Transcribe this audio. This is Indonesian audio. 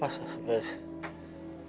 asma lepaslah asma